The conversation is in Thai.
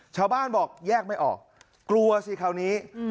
ชาวบ้านบอกแยกไม่ออกกลัวสิคราวนี้